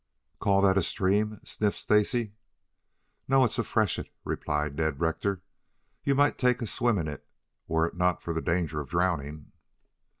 "Call that a stream?" sniffed Stacy. "No, it's a freshet," replied Ned Rector. "You might take a swim in it were it not for the danger of drowning."